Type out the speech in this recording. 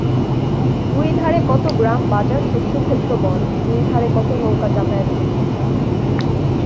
দুইধারে কত গ্রাম বাজার শস্যক্ষেত্র বন, দুইধারে কত নৌকা যাতায়াত করিতেছে।